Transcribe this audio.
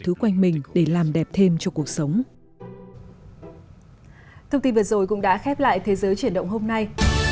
thứ quanh mình để làm đẹp thêm cho cuộc sống thông tin vừa rồi cũng đã khép lại thế giới triển động hôm nay